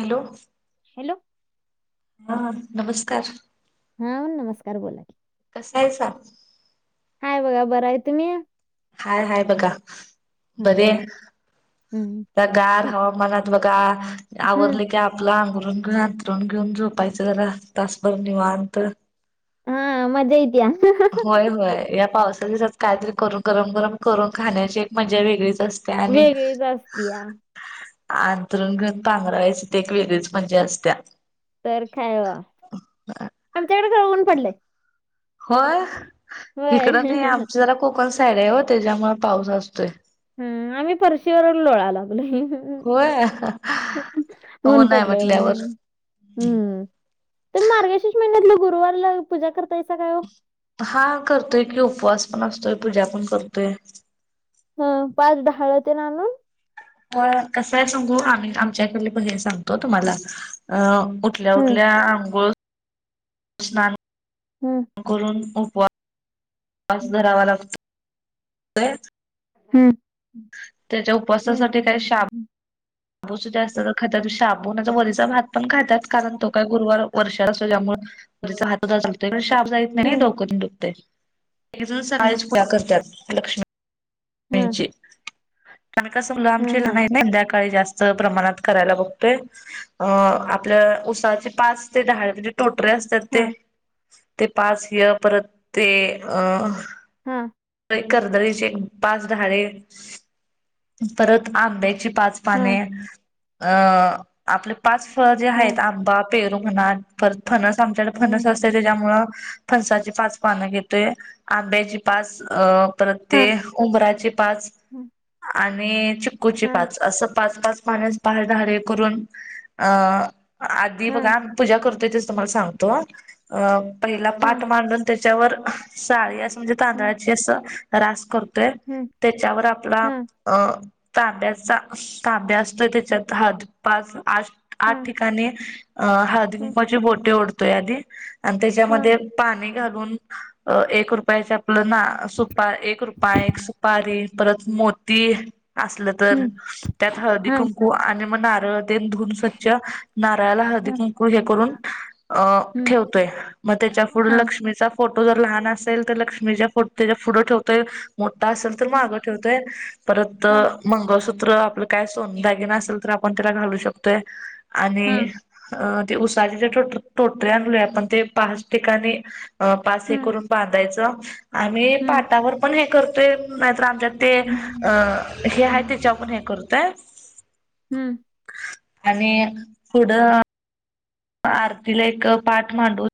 Hello! Hello! हा नमस्कार. हा नमस्कार बोला की. कसा आहे सा? हाय बघा बरं आहे तुम्ही? हाय हाय बघा हं, बरी ऐ- हं, हं, आता गार हं, हवामानात बघा हं. आवरलं की आप आपलं आघरुण घेऊन आंतरून घेऊन झोपायचं जरा तासभर निवंत. हा मज्जा येतीया. होय होय या पावसा दिवसांत काहीतरी करून गरम गरम करून खाण्याची एक मजा वेगळीच असते. काय आणि वेगळीच असते या अंंतरण घेऊन पांघरायच ते एक वेगळीच म्हणजे असत्या. तर खाय हो आमच्याकडे खर ऊन पडलंय. होय होय इकडं ते आमच जरा कोकण साईड आहे हो त्याच्यामुळे पाऊस असतोय. हम् आम्ही पर्शीवरून लोळा लागलोय. होय हो उन नाही पडलेय म्हटल्यावर म्हणून. हम्म तुम्ही मार्गशीर्ष म्हणन्यातलं गुरुवारला पूजा करतायसा का ओ? हा करतोय कि उपवास पण असतोय पूजा पण करतोय. हं पाच ढाळतेन आनून? होय कसय सांगू आम्ही आमच्याकडे हे सांगतो तुम्हाला उटल्या हं, उटल्या आंघोळ स्नान करून. हम्म करून उपवास धरावा लागतो. हम्म त्यांच्या उपसासाठी काय शाब शाबूसुद्धा तर खातात शाबूनचा वरीचा भात पण खातात, कारण तो काय गुरुवार वर्षात असतो त्यामुळे. वरीचा भात च करतोय पण साबू नाही हं, हं, डोकन ते दुखतय. हं, सकाळीच पोळ्या करतात लक्ष्मी हं, [unintelligible] हं, आमची हं, नाही संध्याकाळी जास्त. च प्रमाणात करायला बघतोय. अ आपल्या उसाचे पाच ते दहा म्हणजे टोटरे अस तर ते, ते पाच ह्य परत ते अ हा. कर्दळीची पाच डहाळे, परत आंब्याची पाच पाने हं, अ आपले पाच फळं जे हं. आहेत आंबा पेरू म्हणा परत फणस आमच्याकडे हम्म फणस असते त्याच्यामुळं फणसाची पाच पानं घेते, आंब्याची पाच अ परत ते हाँ उंबराचे पाच हम्म आणि चि कुची हाँ पाच, असं पाच, पाच पाने पा धाडे करून अं आधी बघा हाँ आम्ही पूजा करतोय तेच तुम्हाला सांगतो, पहिला हाँ पाठ मांडून त्याच्यावर साळी असं, म्हणजे हम्म तांदळाची असं रास करतोय हम्म त्याच्यावर आपला हाँ अ तांब्याचा तांब्या असतोय त्याच्यात आठ, पाच, आठ हाँ आठ ठि आणि अ हळदी हम्म कुंकाची बोट ओढतोय आधी, आणि हाँ त्याच्यामध्ये पाणी घालून अ एक रुपयाच आपलं ना सुपा एक रुपया, एक सुपारी परत मोती असलं तर, हम्म त्यात हळदी हाँ कुंकू आणि मग नारळ. तेनं धुूऊन स्वच्छ नारळाला हळदी हाँ कुंकू हे करून अ हम्म ठेवतोय मग त्याच्या पुुढं हाँ लक्ष्मीचा फोटो जर लहान असेल, तर लक्ष्मीच्या फो त्याच्या पुढे ठेवते. मोठा असेल तर हम्म मागं ठेवतोय परत हाँ मंगळसूत्र आपलं काय सोन दागिना असलं तर, आपण त्याला घालू शकतोय आणि हाँ अ ते उसाचे जे टोटरे आणलोय आपण, ते पाच ठिकाणी पाच हे हम्म करून बांधायच आम्ही हम्म पाठावर पण हे करतोय नाहीतर आमच्या ते हम्म अ हे हाय त्याच्या आपण हे करतय. हंम. आणि पुढं आरतीला एक पाठ मांडून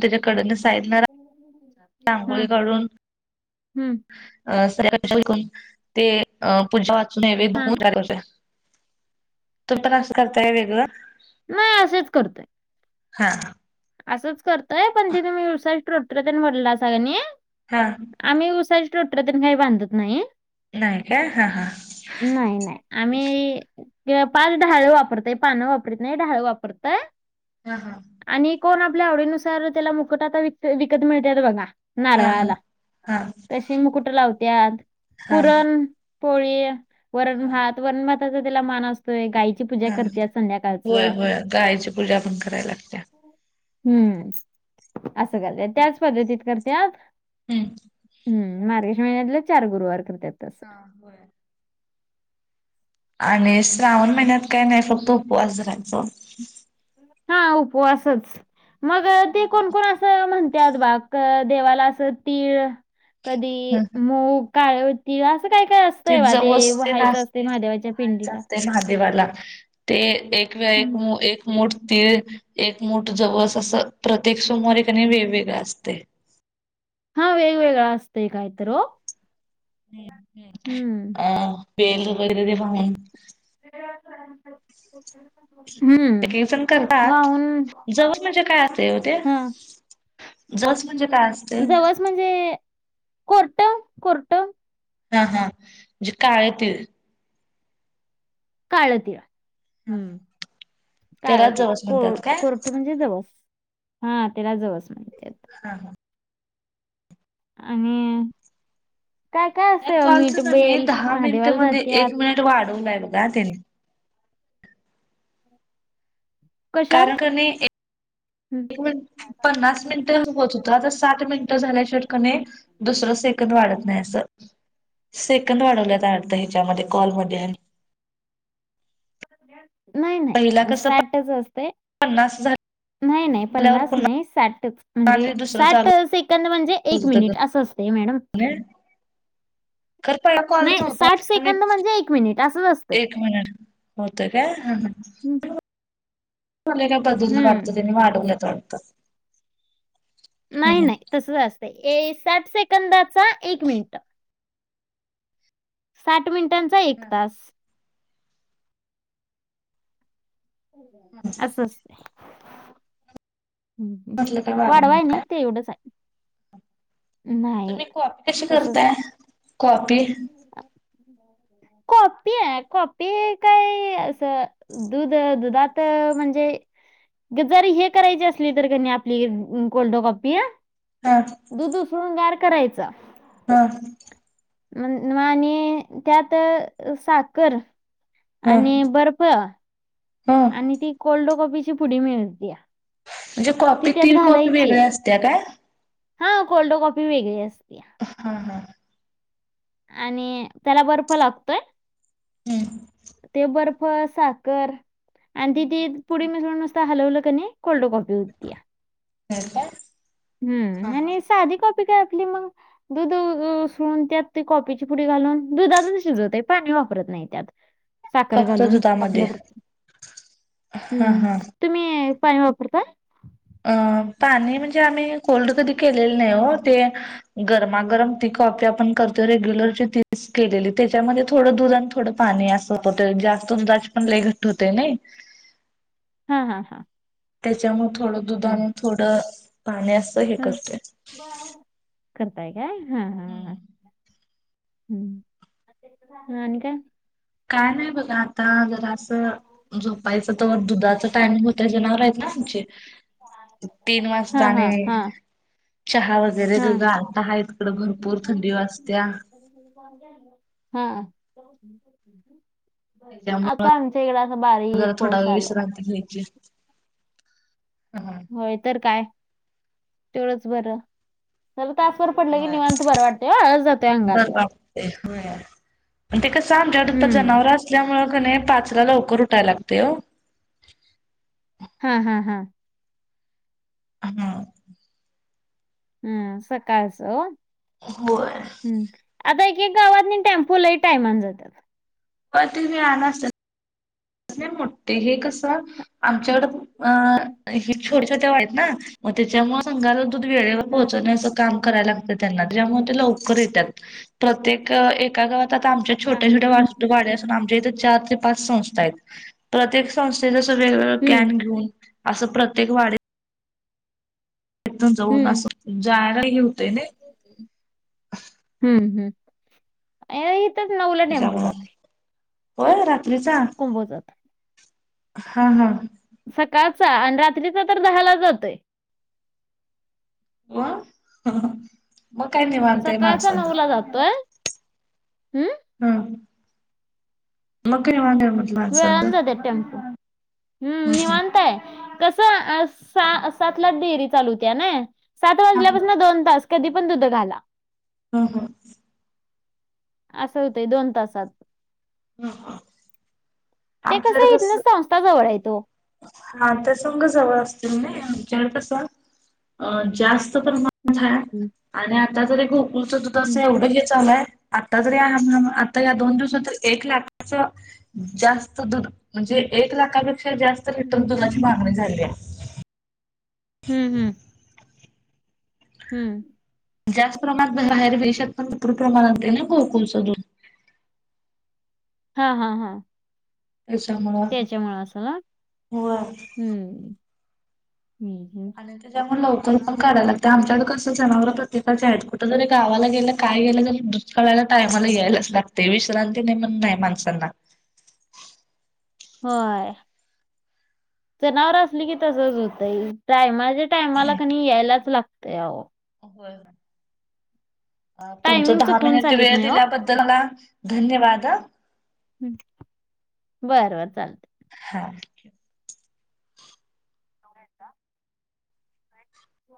त्याच्याकडनं साइडला रा रांगोळी हम्म काढून हम्म अ सूर्यकांश ऐकून ते पूजा वाचून हा. नैवेद्य [unintelligible] तूम्ही पण असं करताय वेगळं. नाही असेच करतोय. हा. असंच करतंय पण ते तुम्ही उसाचा टोटरे भरलं असा आणि [unintelligible] आम्ही उसाचे टोटरे तर नाही बांधत नाही. नाही काय हा हा. नाही नाही आम्ही पाच डहाळे वापरते, पानं वापरत नाही डहाळे वापरतयं. हा हा. आणि कोण आपल्या आवडीनुसार त्याला मुकवटा काही वि विकत मिळतात बघा. हा नारळाला हा तशी मुकुटं लावत्यात, हा हा पुरण पोळी वरण भात, वरण भाताचा त्याला मान असतोय [unintelligible] हा करत्यात होय संध्याकाळचं. होय गायची पूजा पण करायला लागत्या.. हम्म असं करत्यात, त्याचं पद्धतीत करत्यात. [inaudible] ह मार्गशिष महिन्यातले चार गुरुवार करत्यात. तसं. हा होय. आणि श्रावण महिन्यात काय नाही फक्तं उपवास धरायचं. हा उपवासच मग ते, कोण कोण असं म्हणत्यात बा. देवाला असं तीळ कधी, मग काळ तिळ असं काय काय असतं. तेव्हा ते वाहायच असते. महादे वाहायच असतं महादेवाला. ते एक व एक. हम्म. एक मोठ तीळ एक मुठ जवळस असं, प्रत्येक सोमवारी कणी वेगवेगळं असतंय. हा वेगवेगळ असतंय काय तर ओ. हम हम. हम्म. बेल वगैरे ते वाहून. [unintelligible] हम्म एकेक जण करतात, वाहून जवस म्हणजे काय असते ओ ते. हा जवस म्हणजे काय अस जवस म्हणजे, कोर्ट कोर्ट. हा हा म्हणजे काळे तिळ. काळ तीळ हम काळ त्याला तीळ, जवस को म्हणतात काय? कोर्ट म्हणजे. जवस हा त्यांला जवस म्हणत्यात. हा हा. आणि काय काय या असतंय, मीठ कॉलच कणी बेल दहा मिनिट महादेवाला मध्ये जात्यात. एक मिनिट वाढवलाय बघा तिन्ही. कशात कारण कणी हम्म. [unintelligible] पन्नास मिनिटं होत होतं. आता साठ मिनिटं झाल्या शिवाय कणी. दुसरं सेकंद वाढत नाही असं, सेकंद वाढवल्यात वाटतं हेच्यामध्ये कॉलमध्ये आणि. नाही पहिला नाही कसं साठच असते. पन्नास झा नाही नाही पन्नास नाही साठच. म्हणजे आणि दुसरं चालू साठं सेकंद म्हणजे, होत एक होतं मिनिट असतंय मॅडम. कने खरं पहिला कॉल नाही साठ नव्हता सेकंद म्हणजे, एक मिनिट असंच असतंय. एक मिनिट होतंय काय हा हं. हा. [unintelligible] हं. त्यांनी वाढवल्यात वाटतं. नाही हम्म हम्म. नाही तसंच असतंय, साठ सेकंदाचा एक मिनिट. साठ मिनिटांचा एक तास. हम्. अस असते. हम हम. म्हटलं काय वाढवलं वाढवाय नाही काय तेवढंच हाय. तुम्ही कॉपी कशी करताय कॉपी. कॉपीय कॉपी काय असं. दूध दुधात म्हणजे, जर हे करायची असली तर कणी, आपली कोल्ड कॉपी. हा. दुध उसळून गार करायचा. हा. मन आणि त्यात साखर हा आणि बर्फ हा आणि ती कोल्ड कॉपीची पुडी मिळत्या. म्हणजे कॉपी ती कॉपी वेगळ्या असत्या काय? हा कोल्ड कॉपी वेगळी असतेया. हा हा. आणि त्याला बर्फ लागतोय. हम्म ते बर्फ साखर आणि तिथी पुडी मिसळून नुस ता हलवलं क नी कोल्ड कॉफी होतया. हे काय हम्म आणि सादी कॉपी काय आपली मंग दुध उ उसळून त्यात ती कॉपीची पुडी घालून दुधातून शिजत आहे पाणी वापरत नाही त्यात. साखर फक्त घालून दुधामध्ये आपल्यापूर हा हम्म. हा. तुम्ही पाणी वापरताय? अ पाणी म्हणजे आम्ही कोल्ड कधी केलेले नाही हो ते गरमागरम ती कॉपी आपण करतो रेग्युलरची तीच केलेली त्याच्यामध्ये थोडं दूध आणि थोडं पाणी असं पटे जास्तुन जास पण लय घट्ट होते नाही. हा हा हा. त्याच्यामुळे थोडं दुध आणि थोडं पाणी असं हे हां. करतोय. करताय काय हा हा हा. हम्म. हम्म म आणि काय? काय नाही बघा आ का जर असं झोपायचं तर दुधाचा टायमिंग होतय जनावर आहेत ना आमचे तीन वाजता हां, आणि हां, हां, चहा वगैरे ग हां. गार तिकडं भरपूर थंडी वाजत्या. हा. त्याच्यामुळं हा आमच्या इकडे असा बारीक जरा थोडा पाऊस आला. [unintelligible] हा होय तर काय तेवढच बरं. तला तासवर पडलंय की निवांत बरं वाटतोय आळस जातोय अंगातला. ए होया आणि ते कसं आमच्याकडे हम्म. जनावर अस ल्यामुळे क नाही पाचला लवकर उठायला लागते हो. हा हा हा. हा. हम्म सकाळसं होय. हम्म आता एक-एक गावातनी टेम्पो लई टायमाने जात्यात. पर तुम्ही आणा असेल. कसल्या मोठे हे कसं आमच्याकडे अ ही छोटे-छोट्या वाईट ना म त्याच्यामुळे सांगालतो ते वेळेवर हं. पोहोचवण्याचं काम कराय लागतं त्यांना त्याज्यामुळे लवकर येत्यात प्रत्येक एका गवात आता आमच्या हां. छोट्या-छोट्या वाचतूक वाड्या असून आमच्या इथे चार ते पाच संस्था आहेत प्रत्येक संस्थेला सगळे [unintelligible] हं. केन घेऊन असं प्रत्येक वाडीत तून जाऊन असं जाणं हे होतोय नाय. हम्म हम्म, ए हितच नवला टेम्पू त्याच्यामुळं जातय. होय रात्रीचा. कुंभोजात. हा हा. सकाळचा, आणि रात्रीचा तर दहाला जातोय. मग काय निवांत आय सकाळचा माणसाला. जातोय. हम्म. हम्म. म्हटलं माणसांचं. वेळानं हम्म जात्यात टेंम्पो, हम्म निवांताय. कसं, आस सा सातलाच डेरी चालू होत्या नाई, सात हा वाजल्यापासनं हा दोन तास कधी पण दुध घाला. हा हा. असं होतय दोन तासात. हा हा. ते कसं, हितलं संस्था जवळ हायेत ओ. हा, ते संघ जवळ असतील नाई, म्हणून कसं, जास्त प्रमाण हम्म जा, हम्म आता तरी गोकुळच्या दुधाचं एवढं हे चालू आहे आता जरी याल, आता या दोन हम्म दिवसात तरी एक लाखाच, जास्त दुध म्हणजे हम्म एक लाखापेक्षा जास्त लिटर दुधाची हम्म. मागणी झाल्या. हम्म हम्म. हम्म. जास्त प्रमाणात बाहेर वेशात पण भरपुर प्रमाणात ना वितरण गोकुळ च दुध. हा हा हा. याच्यामुळं त्याच्यामुळे असेल हा व्हय. हम्म हम्म हं. आणि त्याच्यामुळे लवकर पण काढाय लागतय, आमच्याकडं कसं जनावर प्रत्येकाचे आहेत, कुठं जरी गावाला गेलं काय गेलं तरी दुध काढायला टायमाला यायलाच लागतय, विश्रांती नाही म्हण नाही माणसांना. होय, जनावरं असली की तसंच होतंय, टायमाचे टायमाला क नाही यायलाच लागतय अहो. हो, तुमचं टायमिंग दहा चुकून मिनिट चालत वेळ नाही हो दिल्याबद्द दल ना धन्यवाद हं. बर बर चालतंय. हां. चालतंय